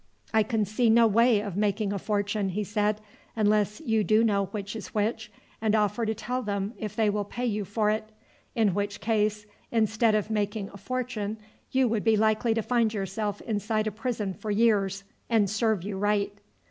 "I can see no way of making a fortune," he said, "unless you do know which is which, and offer to tell them if they will pay you for it. In which case, instead of making a fortune you would be likely to find yourself inside a prison for years and serve you right."